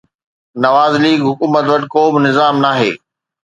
Nawaz league حڪومت وٽ ڪو به نظام ناهي.